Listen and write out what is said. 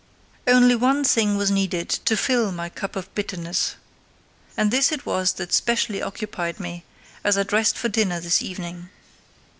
Only one thing was needed to fill my cup of bitterness, and this it was that specially occupied me as I dressed for dinner this evening.